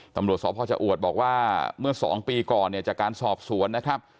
ตำรวจสอบพ่อเจ้าอวดบอกว่าเมื่อ๒ปีก่อนจากการสอบสวนนะครับ